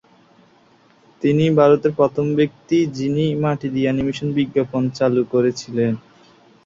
তিনিই ভারতে প্রথম ব্যক্তি যিনি মাটি দিয়ে অ্যানিমেশন বিজ্ঞাপন চালু করেছিলেন।